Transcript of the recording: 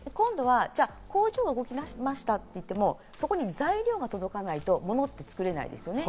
工場が動き出しましたっていっても、材料が届かないと、物って作れないですよね。